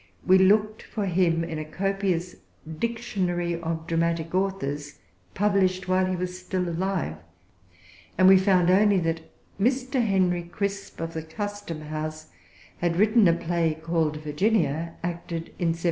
We looked for him in a copious Dictionary of Dramatic Authors published while he was still alive, and we found only that Mr. Henry Crisp, of the Custom House, had written a play called Virginia, acted in 1754.